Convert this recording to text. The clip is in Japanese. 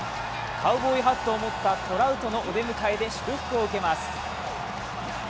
カーボーイハットを持ったトラウトに祝福を受けます。